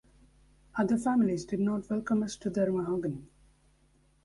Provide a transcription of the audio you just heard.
Other families did not welcome us to their mahogany.